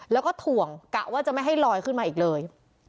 แล้วก็ถ่วงกะว่าจะไม่ให้ลอยขึ้นมาอีกเลย